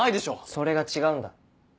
それが違うんだ。